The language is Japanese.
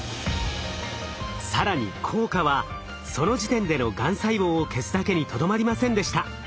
更に効果はその時点でのがん細胞を消すだけにとどまりませんでした。